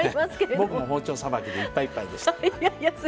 僕も包丁さばきでいっぱいいっぱいでした。